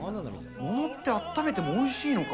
桃ってあっためてもおいしいのか。